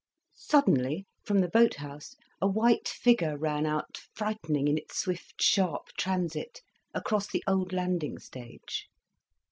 Suddenly, from the boat house, a white figure ran out, frightening in its swift sharp transit, across the old landing stage.